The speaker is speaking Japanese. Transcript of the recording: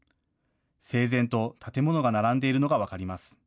整然と建物が並んでいるのが分かります。